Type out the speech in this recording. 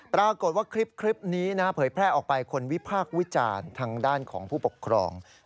ปรากฏว่าคลิปนี้นะเผยแพร่ออกไปคนวิพากษ์วิจารณ์ทางด้านของผู้ปกครอง